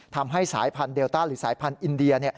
ทำให้สายพันธุเดลต้าหรือสายพันธุ์อินเดีย